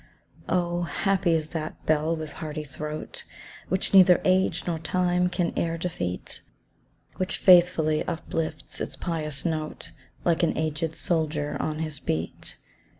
Oh, happy is that bell with hearty throat, Which neither age nor time can e'er defeat, Which faithfully uplifts its pious note, Like an agèd soldier on his beat.